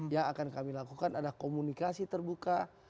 yang akan kami lakukan adalah komunikasi terbuka